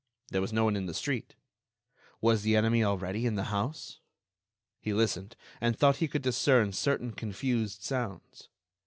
There was no one in the street. Was the enemy already in the house? He listened and thought he could discern certain confused sounds.